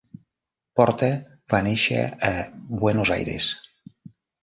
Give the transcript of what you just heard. Porta va néixer a Buenos Aires.